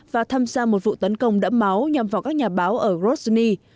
và tham gia một vụ tấn công đẫm máu nhằm vào các nhà báo ở rosni